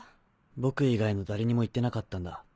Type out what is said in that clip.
僕以外の誰にも言ってなかったんだ。